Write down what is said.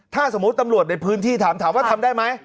ถ้าสมมุติตำรวจในพื้นที่ถามว่าทำได้ไหม